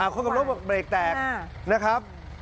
คนขับรถบอกเบรกแตกนะครับ